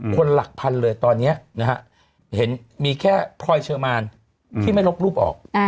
คนหลักภัณฑ์เลยตอนนี้มีแค่พลอยเชอร์มานที่ไม่ลบรูปออก